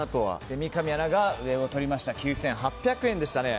三上アナが上をとって９８００円でしたね。